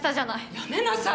やめなさい！